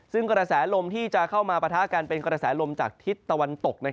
ซึ่งกระแสลมที่จะเข้ามาปะทะกันเป็นกระแสลมจากทิศตะวันตก